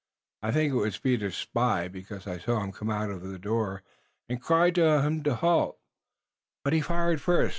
I think it was Peter's spy because I saw him come out of the house, and cried to him to halt, but he fired first.